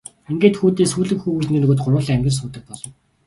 Ингээд хүүдээ Сүүлэн хүү гэж нэр өгөөд гурвуулаа амьдран суудаг болов.